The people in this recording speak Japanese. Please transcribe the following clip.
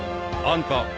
［あんた